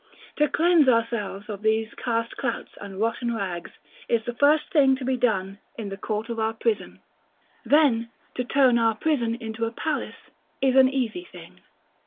To cleanse ourselves of these "cast clouts and rotten rags" is the first thing to be done in the court of our prison. § XXXVI. Then, to turn our prison into a palace is an easy thing.